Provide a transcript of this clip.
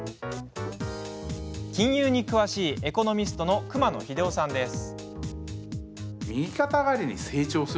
金融に詳しいエコノミストの熊野英生さんです。